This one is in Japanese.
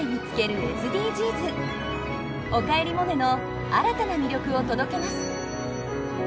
「おかえりモネ」の新たな魅力を届けます。